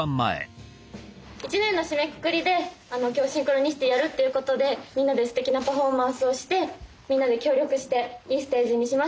一年の締めくくりで今日「シンクロニシティ」やるっていうことでみんなですてきなパフォーマンスをしてみんなで協力していいステージにしましょう。